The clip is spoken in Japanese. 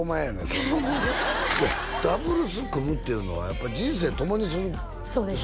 そんないやダブルス組むっていうのはやっぱ人生共にするそうですね